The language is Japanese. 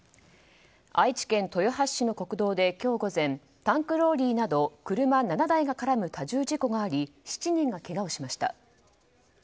愛知県豊橋市の国道で今日午前タンクローリーなど車７台が絡む多重事故があり７人がけがをしました。